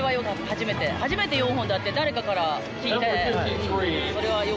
初めて、初めて４本だって誰かから聞いて。